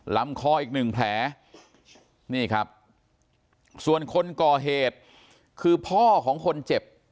ลำคออีกหนึ่งแผลนี่ครับส่วนคนก่อเหตุคือพ่อของคนเจ็บ